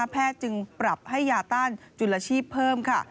จึงปรับให้ยาต้านจุลชีพเพิ่มค่ะ